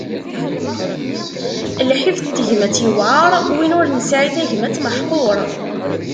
Lḥif n tegmat yewɛer, win ur nesɛi tagmat meḥqur.